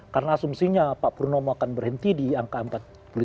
karena asumsinya pak purnomo akan berhenti di angka empat puluh lima